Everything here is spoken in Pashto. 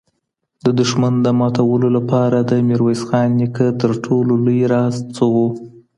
د دښمن د ماتولو لپاره د ميرويس خان نيکه ترټولو لوی راز څه و؟